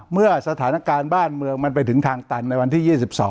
เมื่อสถานการณ์บ้านเมืองมันไปถึงทางตันในวันที่๒๒